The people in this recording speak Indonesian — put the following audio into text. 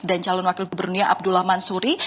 dan calon wakil gubernurnya abdullah mansuri